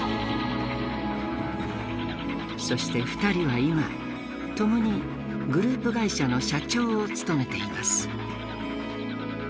そして２人は今共にグループ会社の社長を務めています。